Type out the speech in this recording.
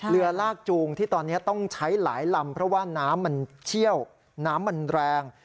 เรือลากจูงที่ตอนนี้ต้องใช้หลายลำเพราะว่าน้ำมันเชี่ยวน้ำมันแรง